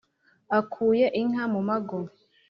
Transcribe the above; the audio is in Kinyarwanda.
akuye inka mu mago